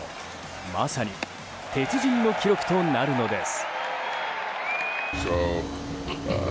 まさに鉄人の記録となるのです。